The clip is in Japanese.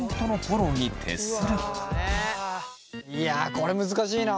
いやこれ難しいな。